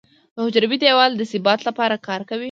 د حجروي دیوال د ثبات لپاره کار کوي.